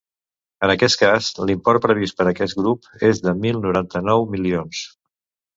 En aquest cas, l’import previst per a aquest grup és de mil noranta-nou milions.